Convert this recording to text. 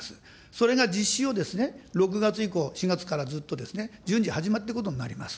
それが実施を６月以降、４月からずっと、順次始まっていくことになります。